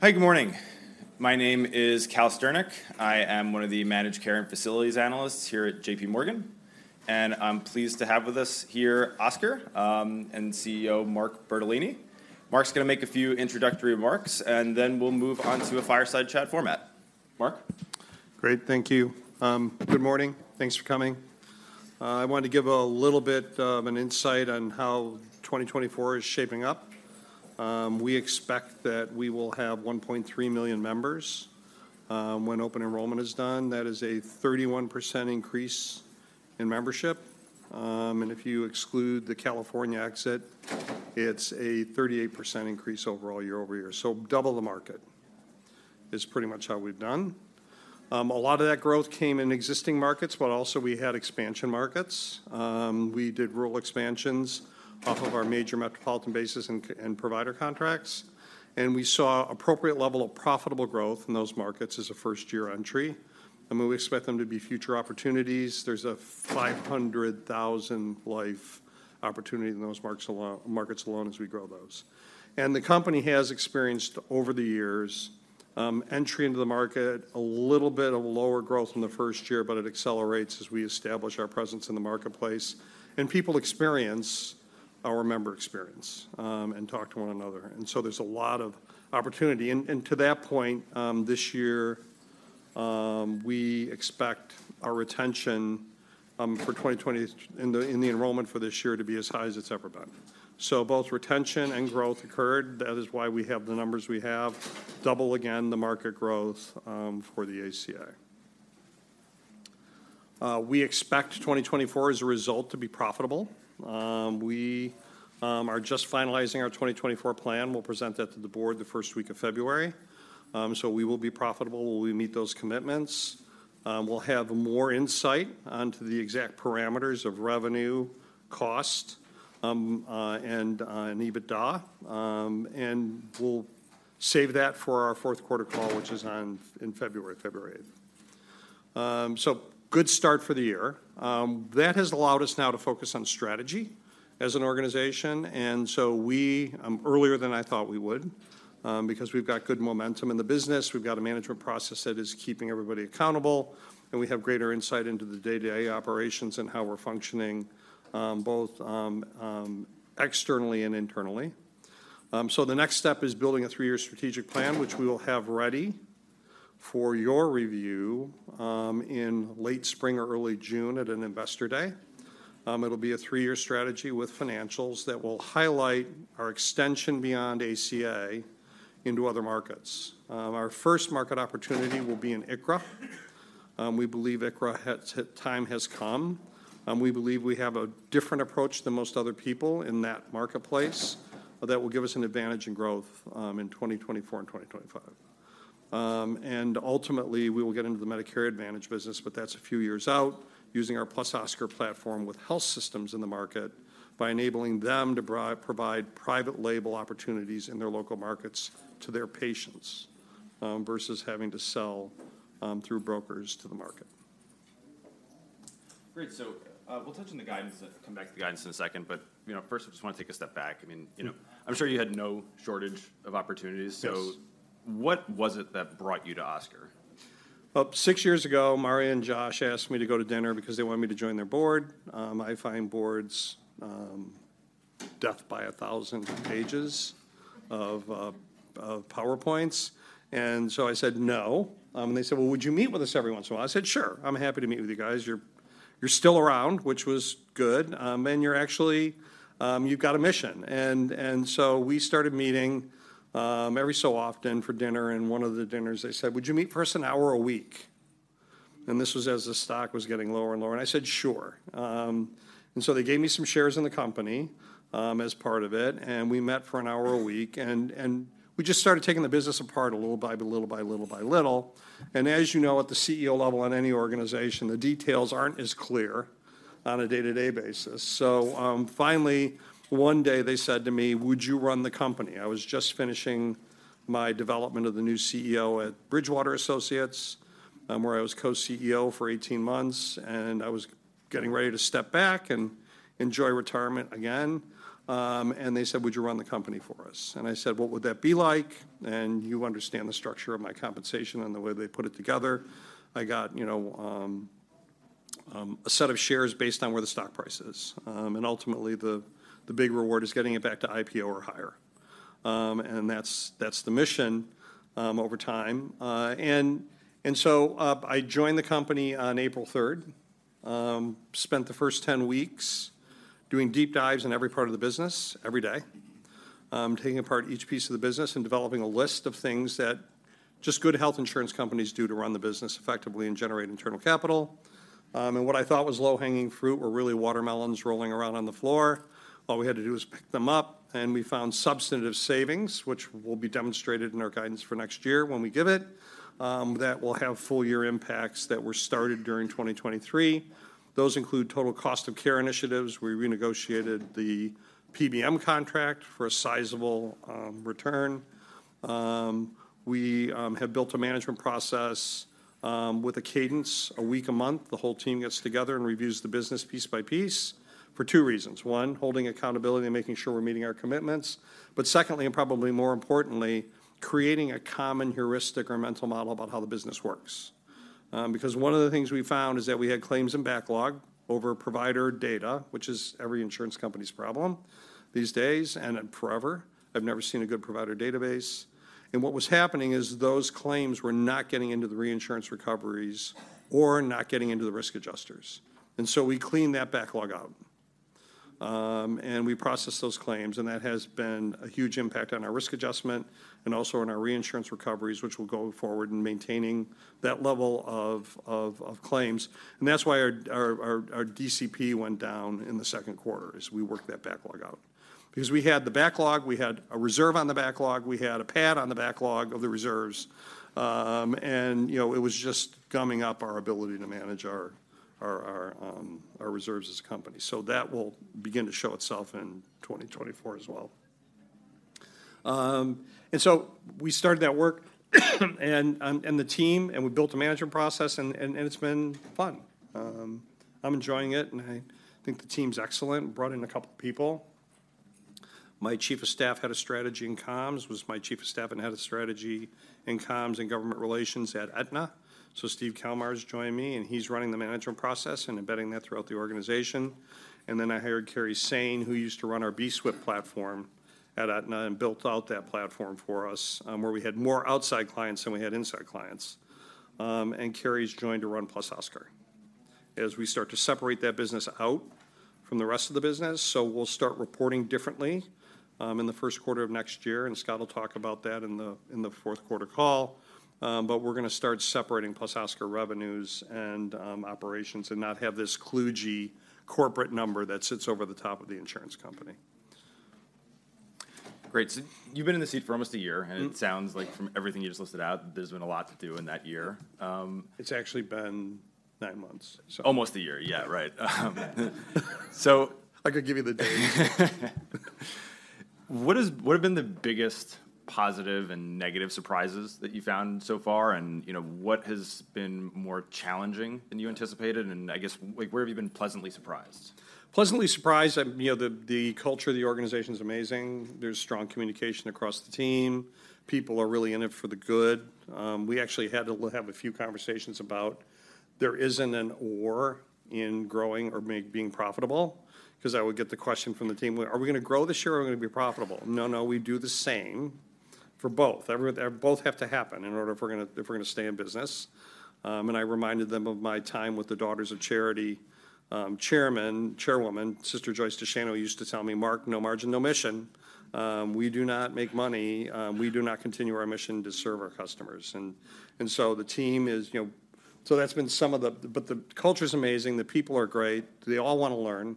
Hi, good morning. My name is Cal Sternick. I am one of the managed care and facilities analysts here at JPMorgan, and I'm pleased to have with us here, Oscar, and CEO Mark Bertolini. Mark's gonna make a few introductory remarks, and then we'll move on to a fireside chat format. Mark? Great, thank you. Good morning. Thanks for coming. I wanted to give a little bit of an insight on how 2024 is shaping up. We expect that we will have 1.3 million members when open enrollment is done. That is a 31% increase in membership. And if you exclude the California exit, it's a 38% increase overall, year-over-year. So double the market is pretty much how we've done. A lot of that growth came in existing markets, but also we had expansion markets. We did rural expansions off of our major metropolitan bases and provider contracts, and we saw appropriate level of profitable growth in those markets as a first-year entry. We expect them to be future opportunities. There's a 500,000 life opportunity in those markets alone as we grow those. The company has experienced, over the years, entry into the market, a little bit of lower growth in the first year, but it accelerates as we establish our presence in the marketplace, and people experience our member experience, and talk to one another. So there's a lot of opportunity. To that point, this year, we expect our retention, for 2024 in the enrollment for this year to be as high as it's ever been. Both retention and growth occurred. That is why we have the numbers we have, double again the market growth, for the ACA. We expect 2024, as a result, to be profitable. We are just finalizing our 2024 plan. We'll present that to the board the first week of February. So we will be profitable. We will meet those commitments. We'll have more insight onto the exact parameters of revenue, cost, and EBITDA, and we'll save that for our fourth quarter call, which is on February 8. So good start for the year. That has allowed us now to focus on strategy as an organization, and so we earlier than I thought we would, because we've got good momentum in the business, we've got a management process that is keeping everybody accountable, and we have greater insight into the day-to-day operations and how we're functioning, both externally and internally. So the next step is building a three-year strategic plan, which we will have ready for your review in late spring or early June at an investor day. It'll be a three-year strategy with financials that will highlight our extension beyond ACA into other markets. Our first market opportunity will be in ICHRA. We believe ICHRA's time has come, and we believe we have a different approach than most other people in that marketplace, that will give us an advantage in growth, in 2024 and 2025. Ultimately, we will get into the Medicare Advantage business, but that's a few years out, using our +Oscar platform with health systems in the market, by enabling them to provide private label opportunities in their local markets to their patients, versus having to sell through brokers to the market. Great. So, we'll touch on the guidance, come back to the guidance in a second, but, you know, first I just want to take a step back. I mean, you know, I'm sure you had no shortage of opportunities- Yes. So what was it that brought you to Oscar? Well, six years ago, Mario and Josh asked me to go to dinner because they wanted me to join their board. I find boards death by a thousand pages of PowerPoints, and so I said no. They said: "Well, would you meet with us every once in a while?" I said, "Sure. I'm happy to meet with you guys. You're still around," which was good, "and you're actually you've got a mission." And so we started meeting every so often for dinner, and one of the dinners they said: "Would you meet for just an hour a week?" And this was as the stock was getting lower and lower, and I said, "Sure." And so they gave me some shares in the company, as part of it, and we met for an hour a week, and we just started taking the business apart a little by little by little by little. And as you know, at the CEO level in any organization, the details aren't as clear on a day-to-day basis. So, finally, one day they said to me: "Would you run the company?" I was just finishing my development of the new CEO at Bridgewater Associates, where I was co-CEO for 18 months, and I was getting ready to step back and enjoy retirement again. And they said: "Would you run the company for us?" And I said: "What would that be like?" And you understand the structure of my compensation and the way they put it together. I got, you know, a set of shares based on where the stock price is. And ultimately, the, the big reward is getting it back to IPO or higher. And that's, that's the mission, over time. I joined the company on April 3rd, spent the first 10 weeks doing deep dives in every part of the business, every day, taking apart each piece of the business and developing a list of things that just good health insurance companies do to run the business effectively and generate internal capital. And what I thought was low-hanging fruit were really watermelons rolling around on the floor. All we had to do was pick them up, and we found substantive savings, which will be demonstrated in our guidance for next year when we give it, that will have full-year impacts that were started during 2023. Those include total cost of care initiatives. We renegotiated the PBM contract for a sizable return. We have built a management process-... With a cadence, a week, a month, the whole team gets together and reviews the business piece by piece for two reasons: one, holding accountability and making sure we're meeting our commitments, but secondly, and probably more importantly, creating a common heuristic or mental model about how the business works. Because one of the things we found is that we had claims and backlog over provider data, which is every insurance company's problem these days, and forever. I've never seen a good provider database. And what was happening is those claims were not getting into the reinsurance recoveries or not getting into the risk adjusters, and so we cleaned that backlog out. And we processed those claims, and that has been a huge impact on our risk adjustment and also on our reinsurance recoveries, which will go forward in maintaining that level of, of, of claims. And that's why our DCP went down in the second quarter as we worked that backlog out. Because we had the backlog, we had a reserve on the backlog, we had a pad on the backlog of the reserves, and, you know, it was just gumming up our ability to manage our reserves as a company. So that will begin to show itself in 2024 as well. And so we started that work and the team, and we built a management process, and it's been fun. I'm enjoying it, and I think the team's excellent. We brought in a couple of people. My chief of staff, head of strategy and comms, was my chief of staff and head of strategy in comms and government relations at Aetna. So Steven Kelmar has joined me, and he's running the management process and embedding that throughout the organization. And then I hired Kerry Sain, who used to run our bswift platform at Aetna and built out that platform for us, where we had more outside clients than we had inside clients. And Kerry's joined to run +Oscar as we start to separate that business out from the rest of the business. So we'll start reporting differently in the first quarter of next year, and Scott will talk about that in the fourth quarter call. But we're gonna start separating +Oscar revenues and operations and not have this kludgy corporate number that sits over the top of the insurance company. Great. So you've been in the seat for almost a year. Mm-hmm. It sounds like from everything you just listed out, there's been a lot to do in that year. It's actually been 9 months, so. Almost a year. Yeah, right. I could give you the date. What have been the biggest positive and negative surprises that you've found so far, and, you know, what has been more challenging than you anticipated? I guess, like, where have you been pleasantly surprised? Pleasantly surprised, I... You know, the culture of the organization is amazing. There's strong communication across the team. People are really in it for the good. We actually had to have a few conversations about there isn't an or in growing or being profitable, 'cause I would get the question from the team, "Are we gonna grow this year, or are we gonna be profitable?" "No, no, we do the same for both. Both have to happen in order if we're gonna stay in business. And I reminded them of my time with the Daughters of Charity, chairwoman Sister Joyce DeShano used to tell me, "Mark, no margin, no mission. We do not make money, we do not continue our mission to serve our customers." And so the team is, you know. So that's been some of the. But the culture is amazing. The people are great. They all want to learn,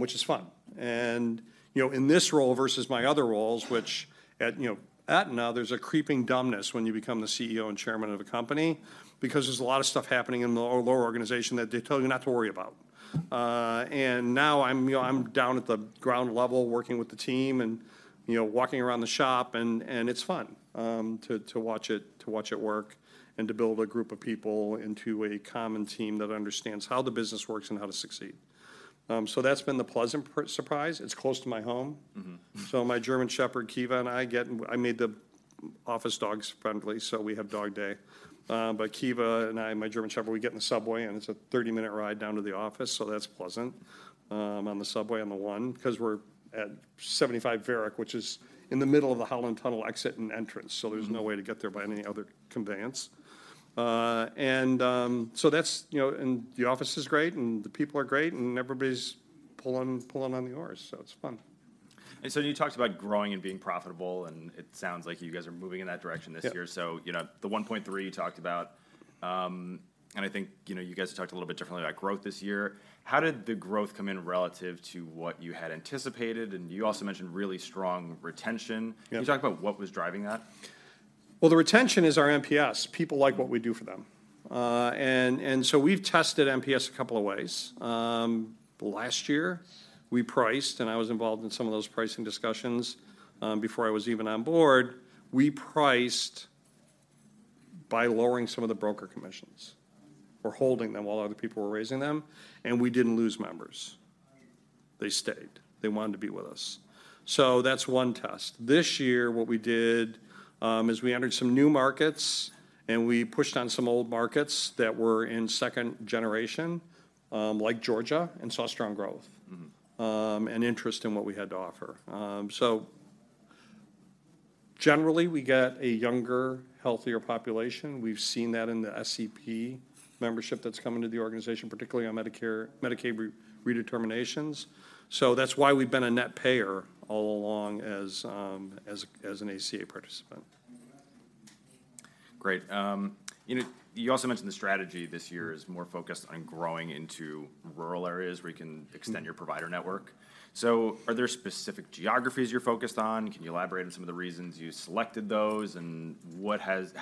which is fun. And, you know, in this role versus my other roles, which at, you know, Aetna, there's a creeping dumbness when you become the CEO and chairman of the company because there's a lot of stuff happening in the lower organization that they tell you not to worry about. Now I'm, you know, down at the ground level, working with the team and, you know, walking around the shop, and it's fun to watch it work and to build a group of people into a common team that understands how the business works and how to succeed. So that's been the pleasant surprise. It's close to my home. Mm-hmm. So my German Shepherd, Kiva, and I get... I made the office dog-friendly, so we have dog day. But Kiva and I, my German Shepherd, we get in the subway, and it's a 30-minute ride down to the office, so that's pleasant. On the subway, on the 1, because we're at 75 Varick, which is in the middle of the Holland Tunnel exit and entrance- Mm-hmm. So there's no way to get there by any other conveyance. And so that's, you know. And the office is great, and the people are great, and everybody's pulling on the oars, so it's fun. You talked about growing and being profitable, and it sounds like you guys are moving in that direction this year. Yep. So, you know, the 1.3 you talked about, and I think, you know, you guys talked a little bit differently about growth this year. How did the growth come in relative to what you had anticipated? And you also mentioned really strong retention. Yep. Can you talk about what was driving that? Well, the retention is our NPS. People like what we do for them. And, and so we've tested NPS a couple of ways. Last year, we priced, and I was involved in some of those pricing discussions, before I was even on board. We priced by lowering some of the broker commissions or holding them while other people were raising them, and we didn't lose members. They stayed. They wanted to be with us. So that's one test. This year, what we did, is we entered some new markets, and we pushed on some old markets that were in second generation, like Georgia, and saw strong growth- Mm-hmm... and interest in what we had to offer. So generally, we get a younger, healthier population. We've seen that in the SEP membership that's coming to the organization, particularly on Medicare-Medicaid redeterminations. So that's why we've been a net payer all along as an ACA participant. Great. You know, you also mentioned the strategy this year is more focused on growing into rural areas where you can- Mm Extend your provider network. So are there specific geographies you're focused on? Can you elaborate on some of the reasons you selected those, and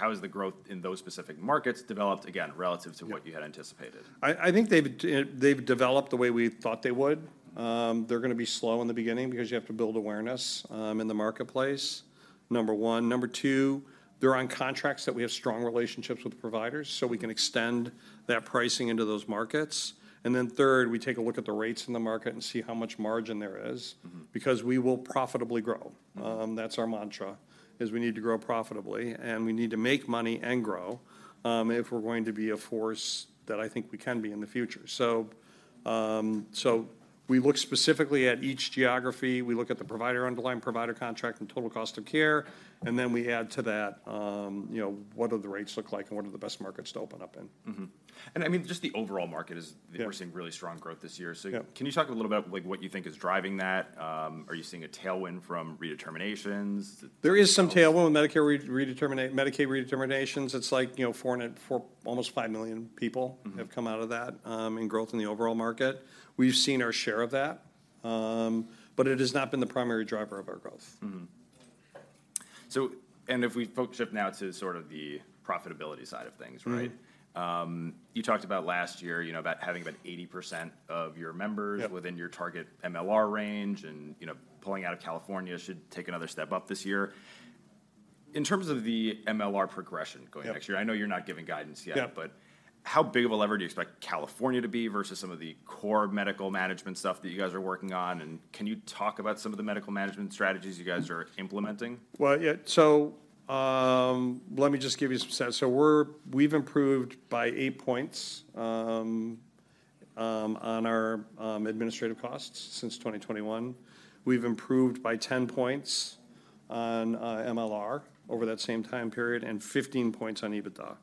how has the growth in those specific markets developed, again, relative- Yep to what you had anticipated? I think they've developed the way we thought they would. They're gonna be slow in the beginning because you have to build awareness in the marketplace. Number one. Number two, they're on contracts that we have strong relationships with the providers, so we can extend that pricing into those markets. And then third, we take a look at the rates in the market and see how much margin there is- Mm-hmm. because we will profitably grow. Mm-hmm. That's our mantra, is we need to grow profitably, and we need to make money and grow, if we're going to be a force that I think we can be in the future. We look specifically at each geography, we look at the provider, underlying provider contract, and total cost of care, and then we add to that, you know, what do the rates look like, and what are the best markets to open up in? Mm-hmm. And, I mean, just the overall market is- Yeah... we're seeing really strong growth this year. Yeah. Can you talk a little about, like, what you think is driving that? Are you seeing a tailwind from redeterminations? There is some tailwind with Medicaid redeterminations. It's like, you know, 4.4... almost 5 million people- Mm-hmm... have come out of that, in growth in the overall market. We've seen our share of that, but it has not been the primary driver of our growth. Mm-hmm. So, if we shift focus now to sort of the profitability side of things, right? Mm-hmm. You talked about last year, you know, about having about 80% of your members- Yeah... within your target MLR range, and you know, pulling out of California should take another step up this year. In terms of the MLR progression going- Yeah... next year, I know you're not giving guidance yet- Yeah ... but how big of a lever do you expect California to be versus some of the core medical management stuff that you guys are working on? And can you talk about some of the medical management strategies you guys are implementing? Well, yeah, so, let me just give you some sense. So we've improved by 8 points on our administrative costs since 2021. We've improved by 10 points on MLR over that same time period, and 15 points on EBITDA.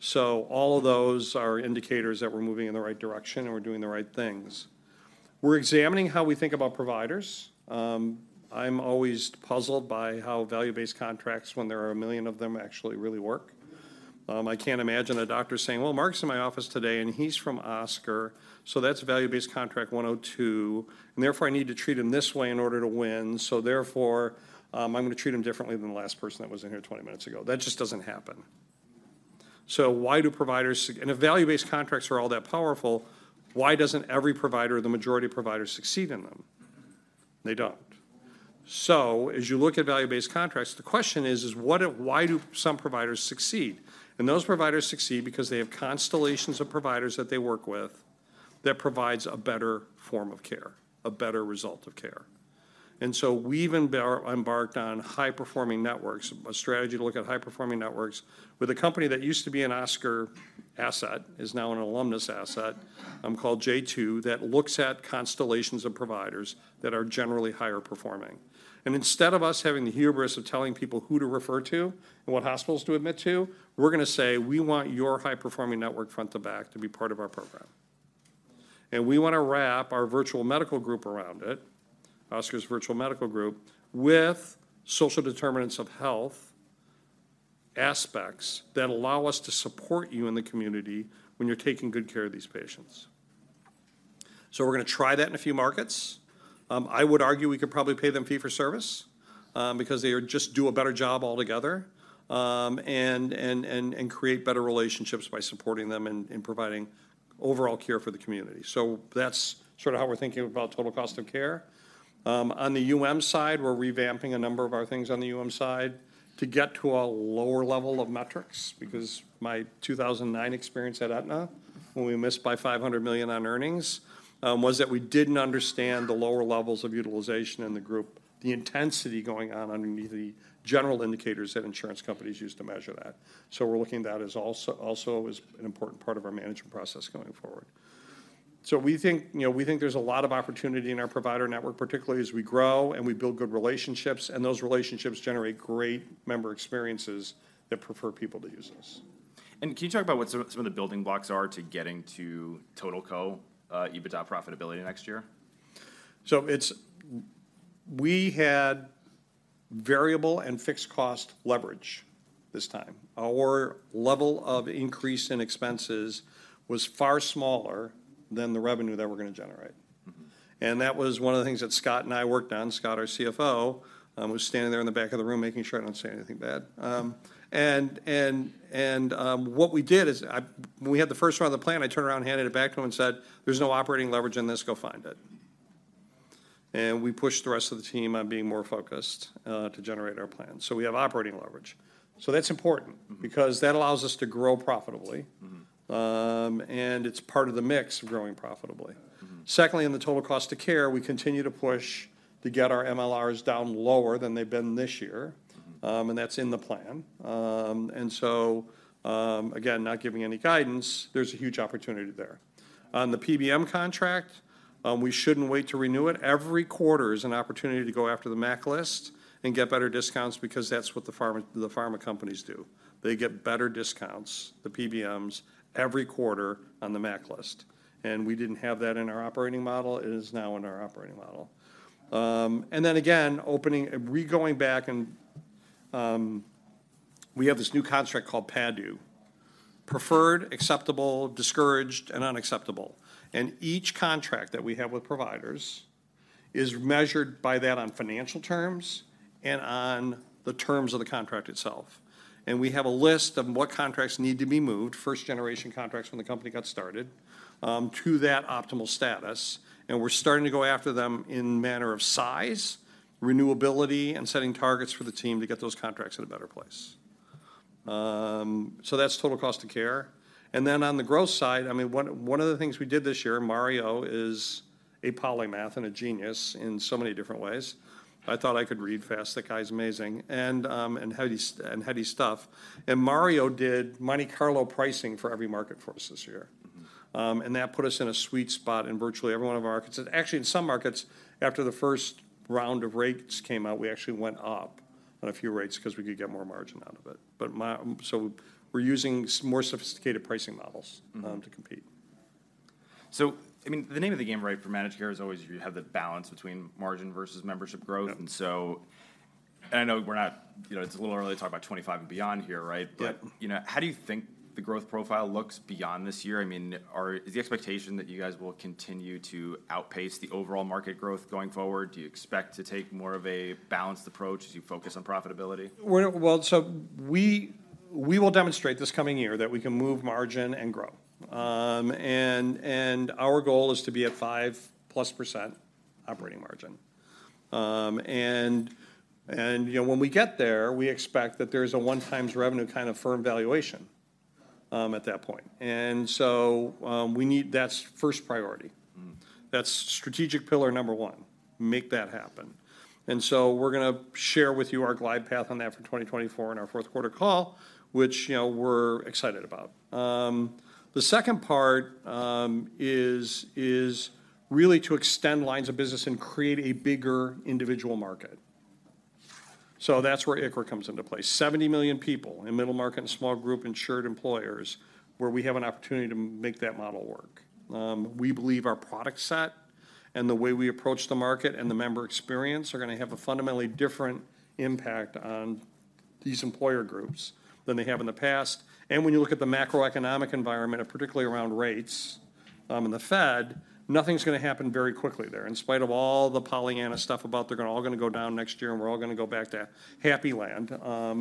So all of those are indicators that we're moving in the right direction and we're doing the right things. We're examining how we think about providers. I'm always puzzled by how value-based contracts, when there are a million of them, actually really work. I can't imagine a doctor saying, "Well, Mark's in my office today, and he's from Oscar, so that's value-based contract 102, and therefore, I need to treat him this way in order to win, so therefore, I'm going to treat him differently than the last person that was in here 20 minutes ago." That just doesn't happen. So why do providers and if value-based contracts are all that powerful, why doesn't every provider or the majority of providers succeed in them? They don't. So as you look at value-based contracts, the question is, why do some providers succeed? And those providers succeed because they have constellations of providers that they work with that provides a better form of care, a better result of care. And so we've embarked on high-performing networks, a strategy to look at high-performing networks, with a company that used to be an Oscar asset, is now an alumnus asset, called J2, that looks at constellations of providers that are generally higher performing. Instead of us having the hubris of telling people who to refer to and what hospitals to admit to, we're going to say: "We want your high-performing network front to back to be part of our program. And we want to wrap our virtual medical group around it, Oscar's Virtual Medical Group, with social determinants of health aspects that allow us to support you in the community when you're taking good care of these patients." So we're going to try that in a few markets. I would argue we could probably pay them fee for service, because they just do a better job altogether, and create better relationships by supporting them and providing overall care for the community. So that's sort of how we're thinking about total cost of care. On the UM side, we're revamping a number of our things on the UM side to get to a lower level of metrics, because my 2009 experience at Aetna, when we missed by $500 million on earnings, was that we didn't understand the lower levels of utilization in the group, the intensity going on underneath the general indicators that insurance companies use to measure that. So we're looking at that as also, also as an important part of our management process going forward. So we think, you know, we think there's a lot of opportunity in our provider network, particularly as we grow and we build good relationships, and those relationships generate great member experiences that prefer people to use us. Can you talk about what some of the building blocks are to getting to total EBITDA profitability next year? So we had variable and fixed cost leverage this time. Our level of increase in expenses was far smaller than the revenue that we're going to generate. Mm-hmm. That was one of the things that Scott and I worked on. Scott, our CFO, who's standing there in the back of the room, making sure I don't say anything bad. What we did is when we had the first round of the plan, I turned around and handed it back to him and said: "There's no operating leverage in this. Go find it." We pushed the rest of the team on being more focused to generate our plan. So we have operating leverage. That's important- Mm-hmm... because that allows us to grow profitably. Mm-hmm. It's part of the mix of growing profitably. Mm-hmm. Secondly, in the total cost of care, we continue to push to get our MLRs down lower than they've been this year. Mm-hmm. And that's in the plan. And so, again, not giving any guidance, there's a huge opportunity there. On the PBM contract, we shouldn't wait to renew it. Every quarter is an opportunity to go after the MAC list and get better discounts because that's what the pharma companies do. They get better discounts, the PBMs, every quarter on the MAC list, and we didn't have that in our operating model. It is now in our operating model. And then again, opening... We're going back and, we have this new contract called PADU, Preferred, Acceptable, Discouraged, and Unacceptable. And each contract that we have with providers is measured by that on financial terms and on the terms of the contract itself. And we have a list of what contracts need to be moved, first-generation contracts when the company got started, to that optimal status, and we're starting to go after them in manner of size, renewability, and setting targets for the team to get those contracts in a better place. So that's total cost of care. And then on the growth side, I mean, one, one of the things we did this year, Mario is a polymath and a genius in so many different ways. I thought I could read fast, the guy's amazing, and and heady stuff. And Mario did Monte Carlo pricing for every market for us this year. Mm-hmm. That put us in a sweet spot in virtually every one of our markets. Actually, in some markets, after the first round of rates came out, we actually went up on a few rates 'cause we could get more margin out of it. So we're using more sophisticated pricing models- Mm-hmm... to compete. I mean, the name of the game, right, for managed care is always you have the balance between margin versus membership growth. Yep. So, I know we're not, you know, it's a little early to talk about 2025 and beyond here, right? Yep. But, you know, how do you think the growth profile looks beyond this year? I mean, is the expectation that you guys will continue to outpace the overall market growth going forward? Do you expect to take more of a balanced approach as you focus on profitability? Well, so we will demonstrate this coming year that we can move margin and grow. Mm-hmm. and our goal is to be at 5%+ operating margin. You know, when we get there, we expect that there's a 1x revenue kind of firm valuation at that point. That's first priority. Mm-hmm. That's strategic pillar number one, make that happen. So we're gonna share with you our glide path on that for 2024 in our fourth quarter call, which, you know, we're excited about. The second part is really to extend lines of business and create a bigger individual market. So that's where ICHRA comes into place. 70 million people in middle market and small group insured employers, where we have an opportunity to make that model work. We believe our product set and the way we approach the market and the member experience are going to have a fundamentally different impact on these employer groups than they have in the past. And when you look at the macroeconomic environment, and particularly around rates, and the Fed, nothing's going to happen very quickly there. In spite of all the Pollyanna stuff about they're gonna all going to go down next year, and we're all going to go back to happy land,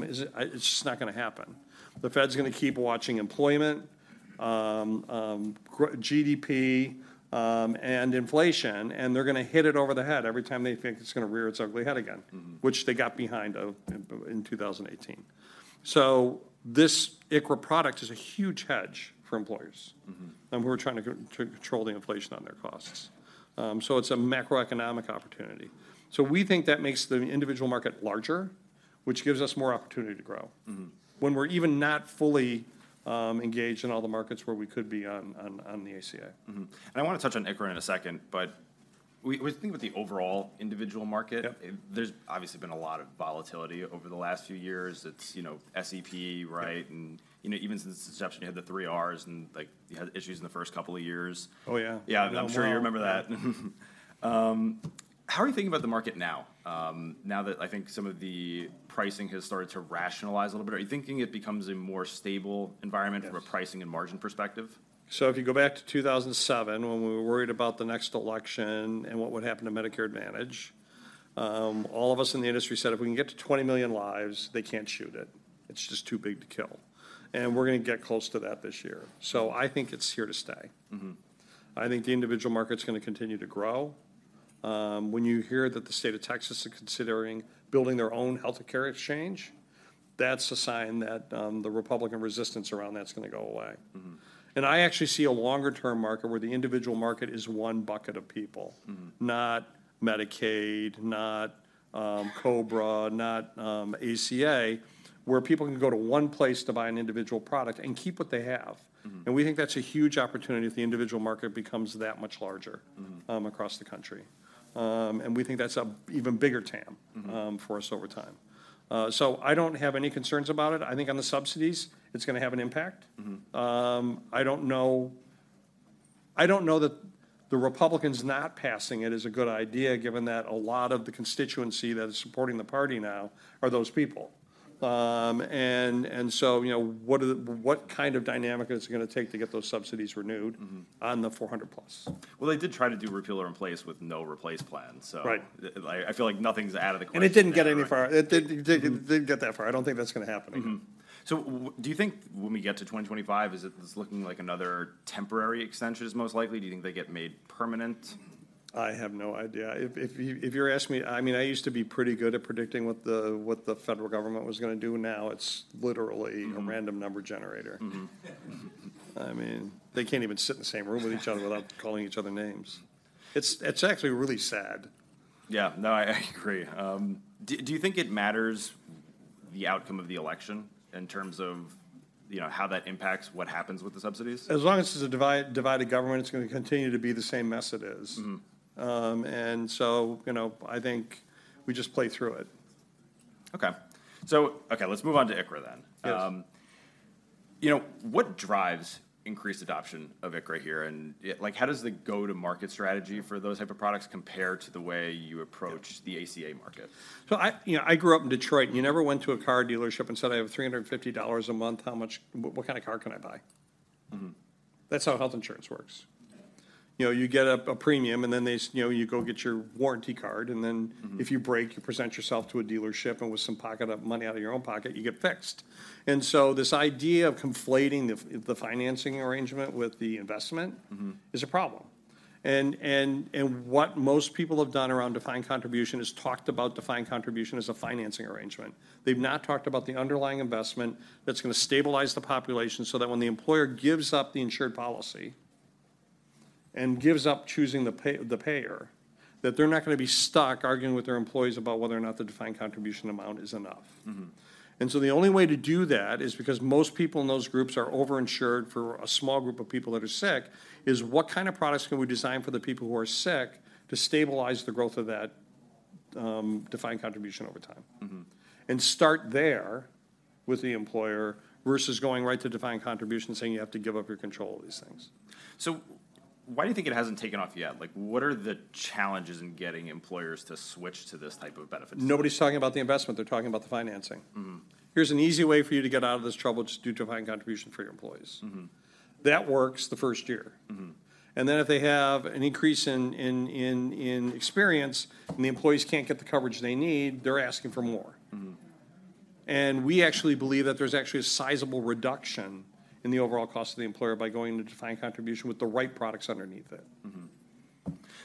it's just not going to happen. The Fed's going to keep watching employment, GDP, and inflation, and they're going to hit it over the head every time they think it's going to rear its ugly head again- Mm-hmm... which they got behind, in 2018. So this ICHRA product is a huge hedge for employers- Mm-hmm... and we're trying to control the inflation on their costs. So it's a macroeconomic opportunity. So we think that makes the individual market larger, which gives us more opportunity to grow- Mm-hmm... when we're even not fully engaged in all the markets where we could be on the ACA. Mm-hmm. And I want to touch on ICHRA in a second, but we think about the overall individual market. Yep. There's obviously been a lot of volatility over the last few years. It's, you know, SEP, right? Yep. You know, even since the inception, you had the three R's, and, like, you had issues in the first couple of years. Oh, yeah. Yeah. Oh, sure. I'm sure you remember that. How are you thinking about the market now, now that I think some of the pricing has started to rationalize a little bit? Are you thinking it becomes a more stable environment- Yes... from a pricing and margin perspective? So if you go back to 2007, when we were worried about the next election and what would happen to Medicare Advantage, all of us in the industry said, "If we can get to 20 million lives, they can't shoot it. It's just too big to kill." And we're gonna get close to that this year. So I think it's here to stay. Mm-hmm. I think the individual market's going to continue to grow. When you hear that the state of Texas is considering building their own healthcare exchange, that's a sign that the Republican resistance around that's going to go away. Mm-hmm. I actually see a longer-term market where the individual market is one bucket of people. Mm-hmm. Not Medicaid, not COBRA, not ACA, where people can go to one place to buy an individual product and keep what they have. Mm-hmm. We think that's a huge opportunity if the individual market becomes that much larger. Mm-hmm... across the country. And we think that's an even bigger TAM- Mm-hmm... for us over time. So I don't have any concerns about it. I think on the subsidies, it's going to have an impact. Mm-hmm. I don't know, I don't know that the Republicans not passing it is a good idea, given that a lot of the constituency that is supporting the party now are those people. And so, you know, what kind of dynamic is it going to take to get those subsidies renewed? Mm-hmm... on the 400% FPL? Well, they did try to do repeal and replace with no replacement plan, so- Right... I feel like nothing's out of the question anymore. It didn't get anywhere far. It didn't get that far. I don't think that's going to happen again. Mm-hmm. So do you think when we get to 2025, is it just looking like another temporary extension is most likely? Do you think they get made permanent? I have no idea. If you're asking me, I mean, I used to be pretty good at predicting what the federal government was going to do, now it's literally- Mm-hmm... a random number generator. Mm-hmm. I mean, they can't even sit in the same room with each other without calling each other names. It's, it's actually really sad. Yeah. No, I agree. Do you think it matters the outcome of the election in terms of, you know, how that impacts what happens with the subsidies? As long as it's a divided government, it's going to continue to be the same mess it is. Mm-hmm. So, you know, I think we just play through it. Okay. So, let's move on to ICHRA then. Yes. You know, what drives increased adoption of ICHRA here? And, yeah, like, how does the go-to-market strategy for those type of products compare to the way you approach- Yep... the ACA market? So I, you know, I grew up in Detroit, and you never went to a car dealership and said, "I have $350 a month, how much... what kind of car can I buy? Mm-hmm. That's how health insurance works... you know, you get a premium, and then you know, you go get your warranty card, and then- Mm-hmm If you break, you present yourself to a dealership, and with some pocket of money out of your own pocket, you get fixed. And so this idea of conflating the financing arrangement with the investment- Mm-hmm is a problem. And what most people have done around defined contribution is talked about defined contribution as a financing arrangement. They've not talked about the underlying investment that's gonna stabilize the population so that when the employer gives up the insured policy and gives up choosing the payer, that they're not gonna be stuck arguing with their employees about whether or not the defined contribution amount is enough. Mm-hmm. And so the only way to do that is because most people in those groups are over-insured for a small group of people that are sick, is what kind of products can we design for the people who are sick to stabilize the growth of that, defined contribution over time? Mm-hmm. Start there with the employer, versus going right to defined contribution, saying, "You have to give up your control of these things. Why do you think it hasn't taken off yet? Like, what are the challenges in getting employers to switch to this type of benefits? Nobody's talking about the investment, they're talking about the financing. Mm-hmm. Here's an easy way for you to get out of this trouble. Just do defined contribution for your employees. Mm-hmm. That works the first year. Mm-hmm. And then, if they have an increase in experience, and the employees can't get the coverage they need, they're asking for more. Mm-hmm. We actually believe that there's actually a sizable reduction in the overall cost to the employer by going to defined contribution with the right products underneath it. Mm-hmm.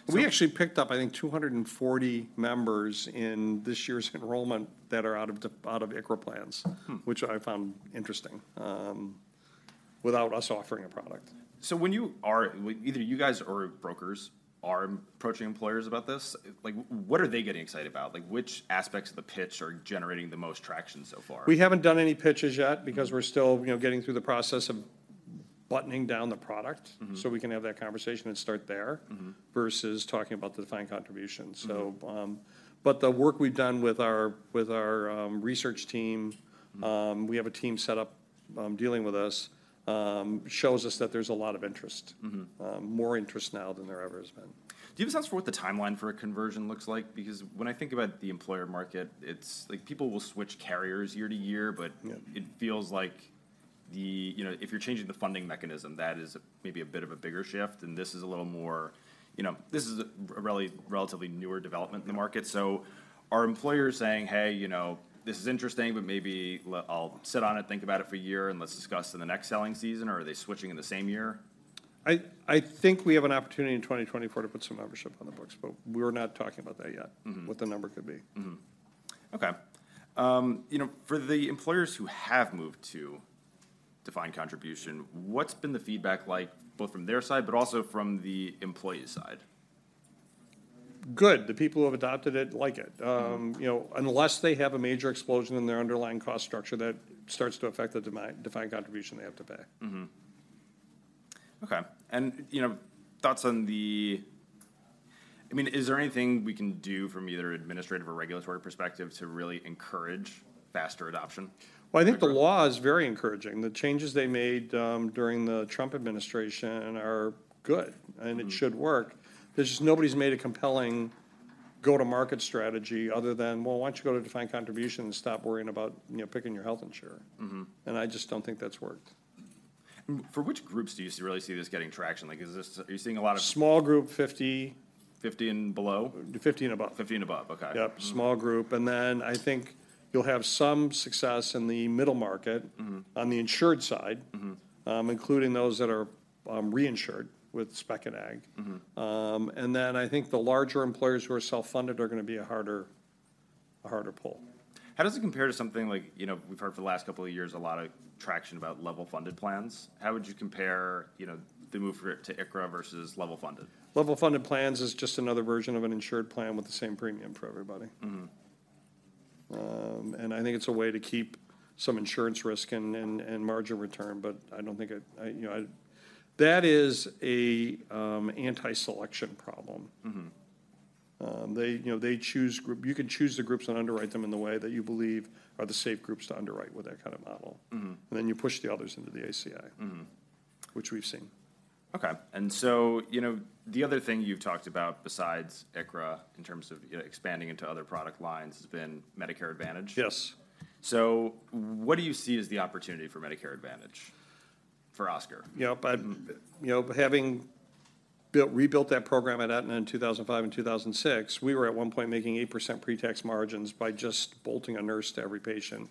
We actually picked up, I think, 240 members in this year's enrollment that are out of ICHRA plans- Hmm... which I found interesting, without us offering a product. So when you are, either you guys or brokers are approaching employers about this, like, what are they getting excited about? Like, which aspects of the pitch are generating the most traction so far? We haven't done any pitches yet because we're still, you know, getting through the process of buttoning down the product- Mm-hmm... so we can have that conversation and start there- Mm-hmm... versus talking about the defined contribution. Mm-hmm. But the work we've done with our research team, Mm-hmm... we have a team set up, dealing with us, shows us that there's a lot of interest. Mm-hmm. More interest now than there ever has been. Do you have a sense for what the timeline for a conversion looks like? Because when I think about the employer market, it's, like, people will switch carriers year to year, but- Yeah... it feels like the, you know, if you're changing the funding mechanism, that is maybe a bit of a bigger shift, and this is a little more... You know, this is a really relatively newer development in the market. Mm-hmm. Are employers saying, "Hey, you know, this is interesting, but maybe I'll sit on it and think about it for a year, and let's discuss in the next selling season," or are they switching in the same year? I think we have an opportunity in 2024 to put some membership on the books, but we're not talking about that yet. Mm-hmm... what the number could be. Mm-hmm. Okay. You know, for the employers who have moved to defined contribution, what's been the feedback like, both from their side but also from the employees' side? Good. The people who have adopted it like it. Mm-hmm. You know, unless they have a major explosion in their underlying cost structure, that starts to affect the defined contribution they have to pay. Mm-hmm. Okay, and, you know, thoughts on the... I mean, is there anything we can do from either administrative or regulatory perspective to really encourage faster adoption? Well, I think the law is very encouraging. The changes they made, during the Trump administration are good- Mm-hmm... and it should work. It's just nobody's made a compelling go-to-market strategy other than, "Well, why don't you go to defined contribution and stop worrying about, you know, picking your health insurer? Mm-hmm. I just don't think that's worked. For which groups do you really see this getting traction? Like, is this, are you seeing a lot of- Small group, 50. 50 and below? 50 and above. 50 and above, okay. Yep. Mm-hmm. Small group, and then I think you'll have some success in the middle market- Mm-hmm... on the insured side- Mm-hmm... including those that are reinsured with spec and agg. Mm-hmm. And then, I think the larger employers who are self-funded are gonna be a harder pull. How does it compare to something like, you know, we've heard for the last couple of years, a lot of traction about level-funded plans? How would you compare, you know, the move for, to ICHRA versus level-funded? Level-funded plans is just another version of an insured plan with the same premium for everybody. Mm-hmm. And I think it's a way to keep some insurance risk and margin return, but I don't think, you know, that is an anti-selection problem. Mm-hmm. You know, you can choose the groups and underwrite them in the way that you believe are the safe groups to underwrite with that kind of model. Mm-hmm. Then, you push the others into the ACI- Mm-hmm... which we've seen. Okay, and so, you know, the other thing you've talked about besides ICHRA, in terms of, you know, expanding into other product lines, has been Medicare Advantage. Yes. What do you see as the opportunity for Medicare Advantage, for Oscar? Yep. You know, having built, rebuilt that program at Aetna in 2005 and 2006, we were at one point making 80% pre-tax margins by just bolting a nurse to every patient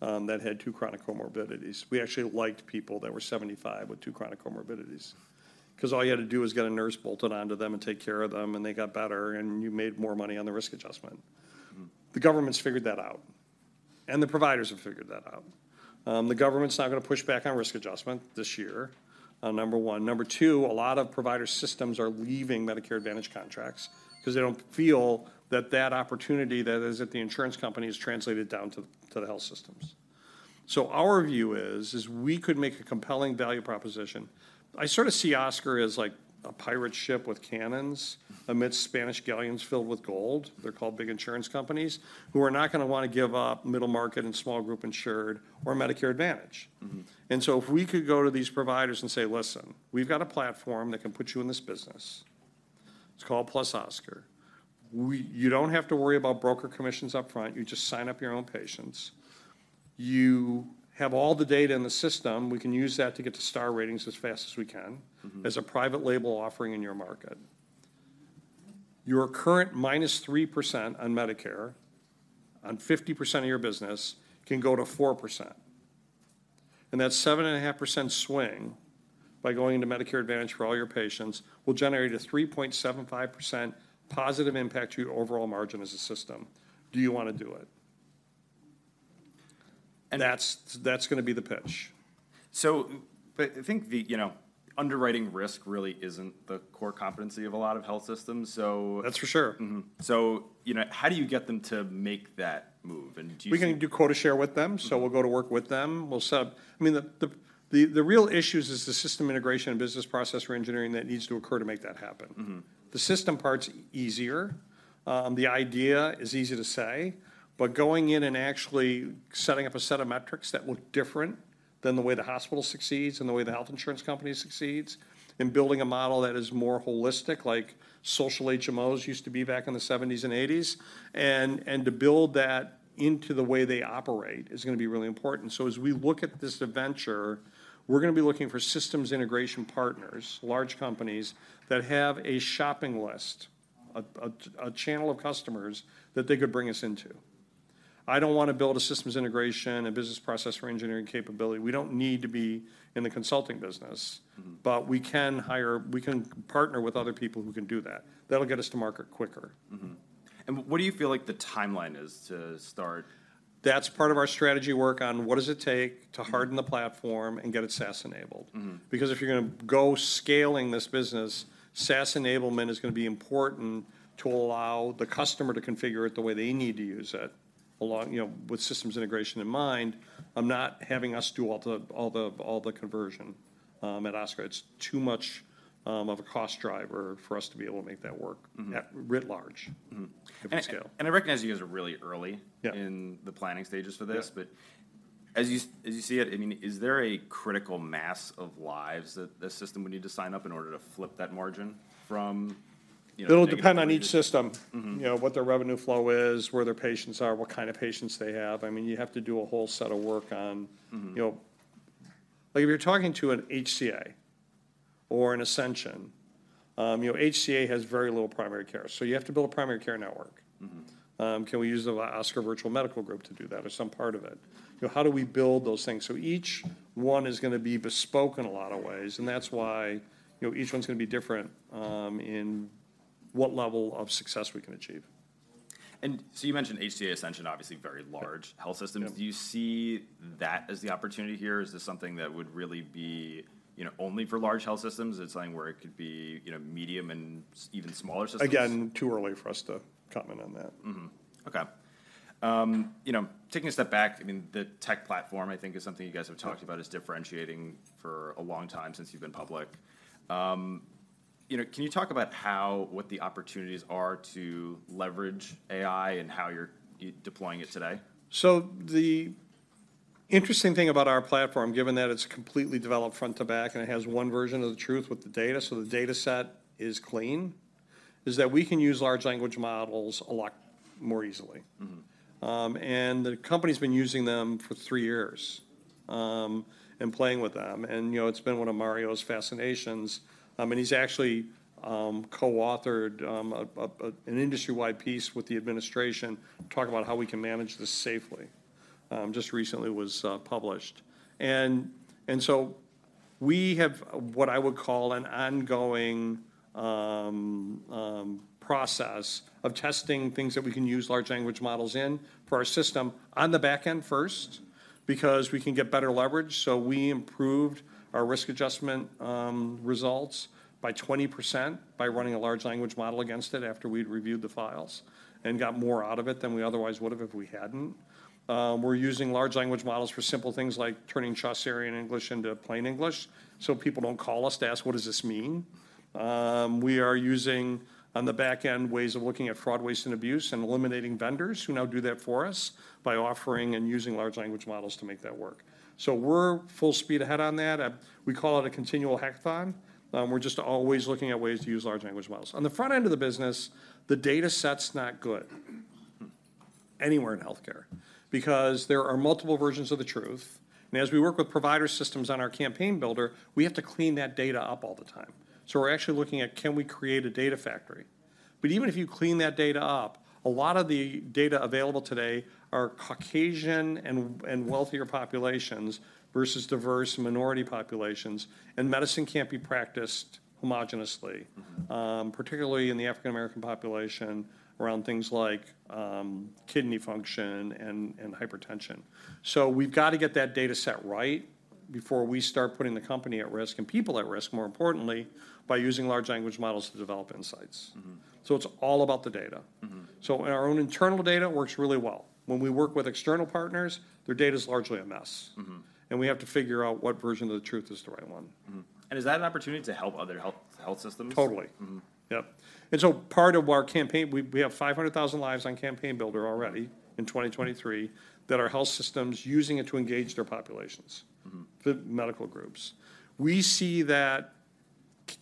that had two chronic comorbidities. We actually liked people that were 75 with two chronic comorbidities, 'cause all you had to do was get a nurse bolted onto them and take care of them, and they got better, and you made more money on the Risk Adjustment. Mm-hmm. The government's figured that out, and the providers have figured that out. The government's not gonna push back on Risk Adjustment this year, number one. Number two, a lot of provider systems are leaving Medicare Advantage contracts because they don't feel that that opportunity that is at the insurance company is translated down to the health systems. So our view is we could make a compelling value proposition. I sort of see Oscar as like a pirate ship with cannons amidst Spanish galleons filled with gold, they're called big insurance companies, who are not gonna wanna give up middle market and small group insured or Medicare Advantage. Mm-hmm. So if we could go to these providers and say, "Listen, we've got a platform that can put you in this business. It's called +Oscar. You don't have to worry about broker commissions upfront, you just sign up your own patients. You have all the data in the system, we can use that to get to star ratings as fast as we can. Mm-hmm... as a private label offering in your market. Your current -3% on Medicare, on 50% of your business, can go to 4%, and that 7.5% swing by going into Medicare Advantage for all your patients will generate a 3.75% positive impact to your overall margin as a system. Do you wanna do it? And that's, that's gonna be the pitch. So, but I think the, you know, underwriting risk really isn't the core competency of a lot of health systems, so- That's for sure. Mm-hmm. So, you know, how do you get them to make that move? And do you see- We can do quota share with them. Mm-hmm. So we'll go to work with them. We'll, I mean, the real issues is the system integration and business process reengineering that needs to occur to make that happen. Mm-hmm. The system part's easier, the idea is easy to say, but going in and actually setting up a set of metrics that look different than the way the hospital succeeds and the way the health insurance company succeeds, and building a model that is more holistic, like social HMOs used to be back in the '70s and '80s, and to build that into the way they operate is gonna be really important. So as we look at this venture, we're gonna be looking for systems integration partners, large companies that have a shopping list, a channel of customers that they could bring us into. I don't wanna build a systems integration, a business process reengineering capability. We don't need to be in the consulting business. Mm-hmm. But we can partner with other people who can do that. That'll get us to market quicker. Mm-hmm. What do you feel like the timeline is to start? That's part of our strategy work on what does it take to harden the platform and get it SaaS-enabled? Mm-hmm. Because if you're gonna go scaling this business, SaaS enablement is gonna be important to allow the customer to configure it the way they need to use it, along, you know, with systems integration in mind, not having us do all the conversion at Oscar. It's too much of a cost driver for us to be able to make that work- Mm-hmm... at writ large- Mm-hmm... at the scale. I recognize you guys are really early- Yeah... in the planning stages for this. Yeah. But as you see it, I mean, is there a critical mass of lives that the system would need to sign up in order to flip that margin from, you know, negative- It'll depend on each system- Mm-hmm... you know, what their revenue flow is, where their patients are, what kind of patients they have. I mean, you have to do a whole set of work on- Mm-hmm you know, like if you're talking to an HCA or an Ascension, you know, HCA has very little primary care, so you have to build a primary care network. Mm-hmm. Can we use the Oscar Virtual Medical Group to do that or some part of it? You know, how do we build those things? So each one is gonna be bespoke in a lot of ways, and that's why, you know, each one's gonna be different, in what level of success we can achieve. And so you mentioned HCA, Ascension, obviously very large- Yeah... health systems. Yeah. Do you see that as the opportunity here? Is this something that would really be, you know, only for large health systems? Is it something where it could be, you know, medium and even smaller systems? Again, too early for us to comment on that. Mm-hmm. Okay. You know, taking a step back, I mean, the tech platform, I think, is something you guys have talked about as differentiating for a long time since you've been public. You know, can you talk about how, what the opportunities are to leverage AI and how you're deploying it today? So the interesting thing about our platform, given that it's completely developed front to back, and it has one version of the truth with the data, so the data set is clean, is that we can use large language models a lot more easily. Mm-hmm. And the company's been using them for three years, and playing with them. And, you know, it's been one of Mario's fascinations. And he's actually co-authored an industry-wide piece with the administration talking about how we can manage this safely, just recently was published. And so we have, what I would call, an ongoing process of testing things that we can use large language models in for our system on the back end first, because we can get better leverage. So we improved our risk adjustment results by 20% by running a large language model against it after we'd reviewed the files, and got more out of it than we otherwise would have if we hadn't. We're using large language models for simple things like turning Chaucerian English into plain English, so people don't call us to ask: What does this mean? We are using, on the back end, ways of looking at fraud, waste, and abuse, and eliminating vendors who now do that for us by offering and using large language models to make that work. So we're full speed ahead on that. We call it a continual hackathon. We're just always looking at ways to use large language models. On the front end of the business, the data set's not good- Hmm... anywhere in healthcare, because there are multiple versions of the truth. And as we work with provider systems on our Campaign Builder, we have to clean that data up all the time. So we're actually looking at, can we create a data factory? But even if you clean that data up, a lot of the data available today are Caucasian and wealthier populations versus diverse minority populations, and medicine can't be practiced homogeneously- Mm-hmm... particularly in the African American population, around things like, kidney function and hypertension. So we've got to get that data set right before we start putting the company at risk, and people at risk, more importantly, by using large language models to develop insights. Mm-hmm. It's all about the data. Mm-hmm. Our own internal data works really well. When we work with external partners, their data's largely a mess. Mm-hmm. We have to figure out what version of the truth is the right one. Mm-hmm. And is that an opportunity to help other health systems? Totally. Mm-hmm. Yep. And so part of our campaign, we have 500,000 lives on Campaign Builder already in 2023, that are health systems using it to engage their populations, the medical groups. We see that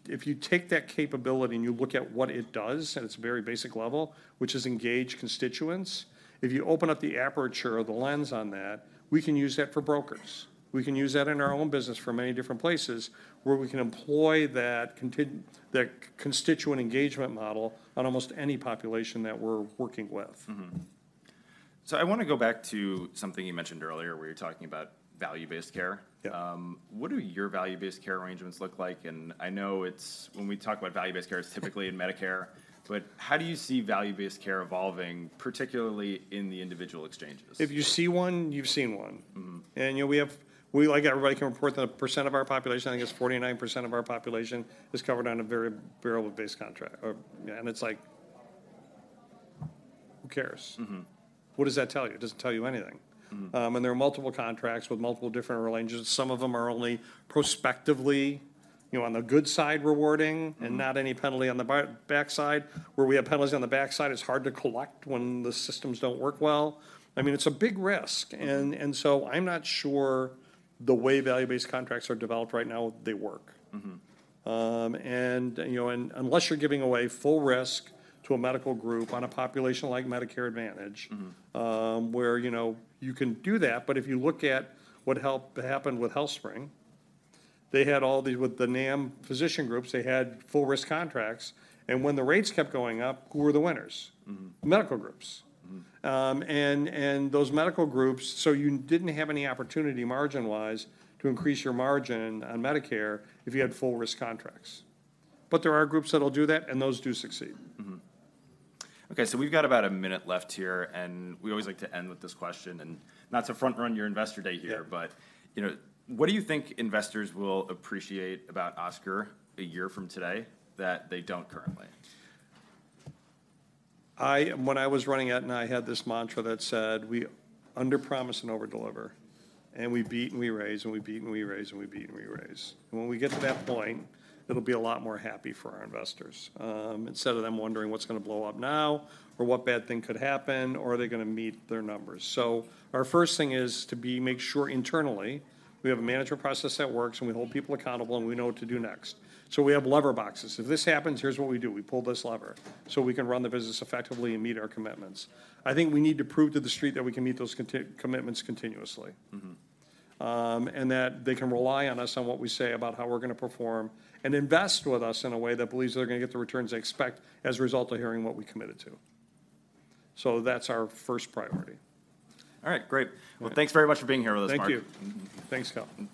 if you take that capability and you look at what it does at its very basic level, which is engage constituents, if you open up the aperture of the lens on that, we can use that for brokers. We can use that in our own business for many different places, where we can employ that constituent engagement model on almost any population that we're working with. Mm-hmm. So I want to go back to something you mentioned earlier, where you were talking about value-based care. Yeah. What do your value-based care arrangements look like? And I know it's, when we talk about value-based care, it's typically in Medicare. But how do you see value-based care evolving, particularly in the individual exchanges? If you see one, you've seen one. Mm-hmm. You know, we have, like everybody, can report that a percent of our population, I think it's 49% of our population, is covered on a very value-based contract. Or, yeah, and it's like, who cares? Mm-hmm. What does that tell you? It doesn't tell you anything. Mm-hmm. And there are multiple contracts with multiple different arrangements. Some of them are only prospectively, you know, on the good side, rewarding- Mm-hmm... and not any penalty on the backside. Where we have penalties on the backside, it's hard to collect when the systems don't work well. I mean, it's a big risk. Mm-hmm. So I'm not sure the way value-based contracts are developed right now, they work. Mm-hmm. You know, and unless you're giving away full risk to a medical group on a population like Medicare Advantage- Mm-hmm... where, you know, you can do that. But if you look at what happened with HealthSpring, they had all these, with the NAMM physician groups, they had full-risk contracts, and when the rates kept going up, who were the winners? Mm-hmm. Medical groups. Mm-hmm. Those medical groups, so you didn't have any opportunity, margin-wise, to increase your margin on Medicare if you had full-risk contracts. But there are groups that'll do that, and those do succeed. Mm-hmm. Okay, so we've got about a minute left here, and we always like to end with this question, and not to front-run your investor day here- Yeah... but, you know, what do you think investors will appreciate about Oscar a year from today that they don't currently? I, when I was running Aetna, I had this mantra that said, "We underpromise and overdeliver, and we beat and we raise, and we beat and we raise, and we beat and we raise." And when we get to that point, it'll be a lot more happy for our investors, instead of them wondering what's going to blow up now, or what bad thing could happen, or are they going to meet their numbers? So our first thing is to be, make sure internally we have a management process that works, and we hold people accountable, and we know what to do next. So we have lever boxes. If this happens, here's what we do. We pull this lever, so we can run the business effectively and meet our commitments. I think we need to prove to the Street that we can meet those commitments continuously. Mm-hmm. that they can rely on us on what we say about how we're going to perform, and invest with us in a way that believes they're going to get the returns they expect as a result of hearing what we committed to. So that's our first priority. All right, great. Yeah. Well, thanks very much for being here with us, Mark. Thank you. Mm-hmm. Thanks, Kyle.